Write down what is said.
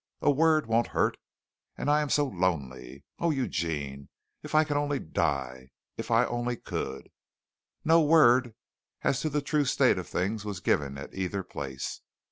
A word won't hurt, and I am so lonely. Oh, Eugene, if I could only die if I only could!" No word as to the true state of things was given at either place.